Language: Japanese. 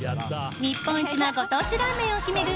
日本一のご当地ラーメンを決める